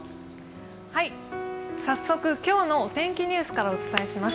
早速、今日のお天気ニュースからお伝えします。